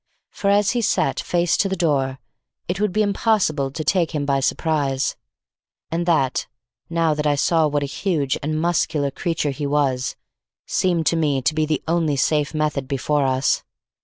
For as he sat face to the door it would be impossible to take him by surprise, and that, now that I saw what a huge and muscular creature he was, seemed to me to be the only safe method before us.